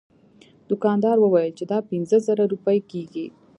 دوکاندار وویل چې دا پنځه زره روپۍ کیږي.